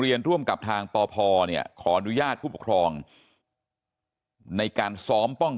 ร่วมกับทางปพเนี่ยขออนุญาตผู้ปกครองในการซ้อมป้อง